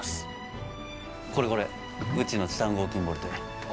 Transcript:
これこれうちのチタン合金ボルトや。